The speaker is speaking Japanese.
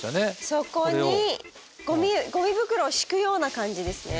そこにゴミ袋を敷くような感じですね。